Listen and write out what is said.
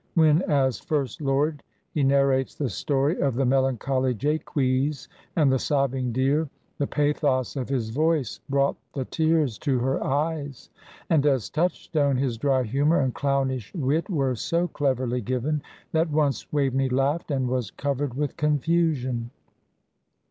When as First Lord he narrates the story of the melancholy Jacques and the sobbing deer, the pathos of his voice brought the tears to her eyes; and as Touchstone his dry humour and clownish wit were so cleverly given that once Waveney laughed and was covered with confusion.